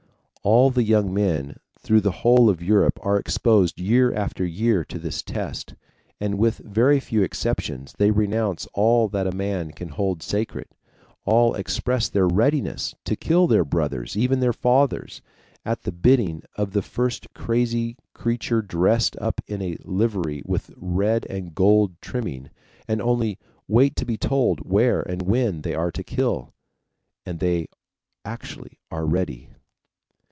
All the young men through the whole of Europe are exposed year after year to this test, and with very few exceptions they renounce all that a man can hold sacred, all express their readiness to kill their brothers, even their fathers, at the bidding of the first crazy creature dressed up in a livery with red and gold trimming, and only wait to be told where and when they are to kill. And they actually are ready.